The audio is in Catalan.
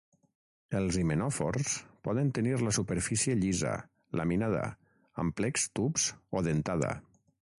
Els himenòfors poden tenir la superfície llisa, laminada, amb plecs, tubs, o dentada.